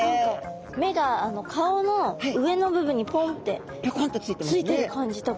目が顔の上の部分にぽんってついている感じとか。